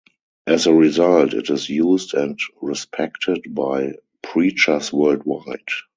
As a result, it is used and respected by preachers world-wide.